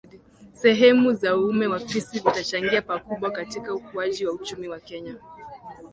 sehemu za uume wa fisi vitachangia pakubwa katika ukuaji wa uchumi wa Kenya